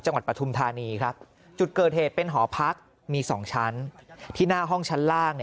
ปฐุมธานีครับจุดเกิดเหตุเป็นหอพักมี๒ชั้นที่หน้าห้องชั้นล่าง